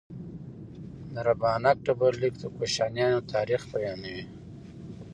د رباتک ډبرلیک د کوشانیانو تاریخ بیانوي